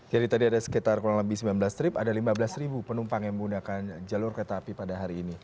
jadi tadi ada sekitar kurang lebih sembilan belas trip ada lima belas penumpang yang menggunakan jalur kereta api pada hari ini